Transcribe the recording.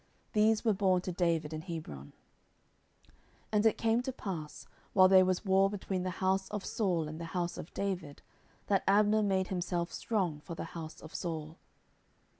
These were born to David in Hebron. 10:003:006 And it came to pass, while there was war between the house of Saul and the house of David, that Abner made himself strong for the house of Saul.